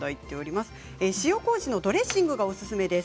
塩こうじのドレッシングがおすすめです。